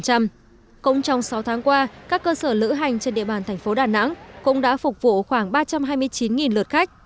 cũng trong sáu tháng qua các cơ sở lữ hành trên địa bàn thành phố đà nẵng cũng đã phục vụ khoảng ba trăm hai mươi chín lượt khách